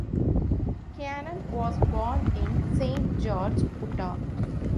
Cannon was born in Saint George, Utah.